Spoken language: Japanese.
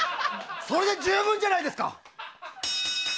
それで十分じゃないですか。